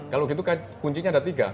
kalau gitu kan kuncinya ada tiga